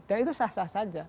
dan itu sah sah saja